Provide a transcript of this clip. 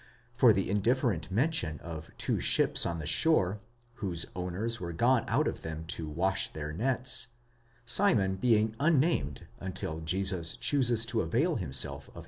For the indifferent mention of two ships on the shore, whose owners were gone out of them to wash their nets, Simon being unnamed until Jesus chooses to avail himself οὗ.